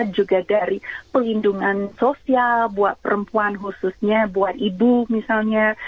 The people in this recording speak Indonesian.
juga dari pelindungan sosial buat perempuan khususnya buat ibu misalnya